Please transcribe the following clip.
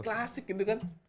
klasik gitu kan